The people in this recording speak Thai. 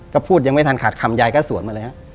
ก็พูดยังไม่ทันขาดคำยายก็สวนมาเลยฮะ